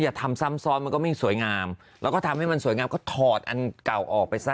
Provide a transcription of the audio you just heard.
ทำซ้ำซ้อนมันก็ไม่สวยงามแล้วก็ทำให้มันสวยงามก็ถอดอันเก่าออกไปซะ